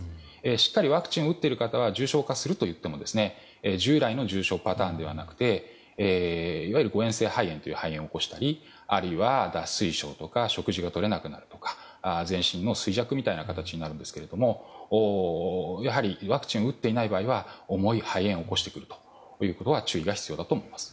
しっかりワクチンを打っている方は重症化するといっても従来の重症パターンではなくていわゆる誤嚥性肺炎という肺炎を起こしたりあるいは、脱水症とか食事がとれなくなるとか全身の衰弱みたいな形になるんですがやはりワクチンを打っていない場合は重い肺炎を起こしてくるということは注意が必要だと思います。